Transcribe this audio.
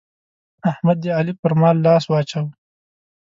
احمد د علي پر مال لاس واچاوو.